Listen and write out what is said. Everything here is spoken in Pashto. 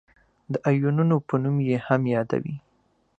د آیونونو په نوم یې هم یادوي.